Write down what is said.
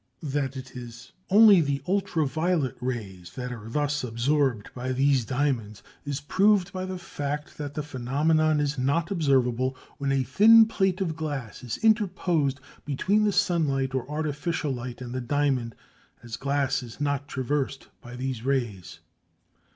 That it is only the ultra violet rays that are thus absorbed by these diamonds is proved by the fact that the phenomenon is not observable when a thin plate of glass is interposed between the sunlight or artificial light and the diamond, as glass is not traversed by these rays.